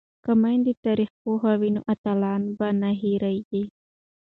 که میندې تاریخ پوهې وي نو اتلان به نه هیریږي.